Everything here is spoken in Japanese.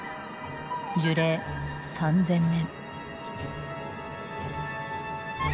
樹齢３，０００年。